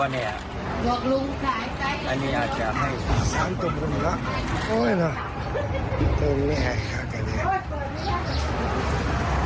วันนี้ก็ไปทำภูมิตรงนั้นนะ